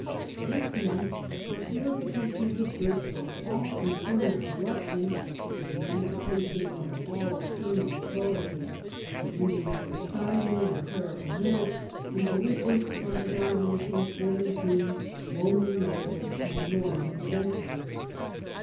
This meant the purification of the Church from all internal corruption, and emancipation from all external authority; the rooting out of simony and clerical marriage, and deliverance from the domina tion of German kings, Koman nobles, and Norman adven turers.